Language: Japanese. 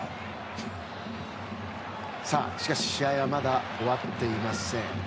しかし試合はまだ終わっていません。